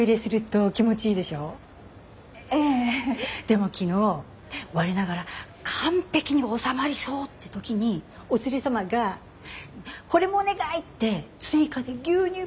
でも昨日我ながら完璧に収まりそうって時にお連れ様が「これもお願い」って追加で牛乳パック２本。